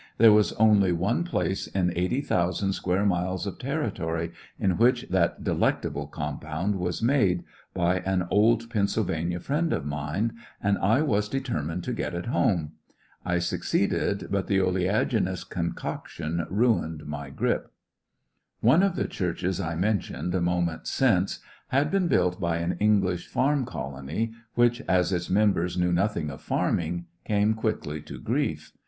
There was only one place in eighty thousand square miles of territory in which that delec table compound was made, by an old Pennsyl 123 ^ecoliections of a vania fi'iend of mine^ and I was determined to get it borne I succeededj hut the oleagi nous concoction ruined my "grip ^' I churthes One of the churches I mentioned a moment since had heen built by an English farm col onyj whichj as its members knew nothing of farming, came quickly to grief.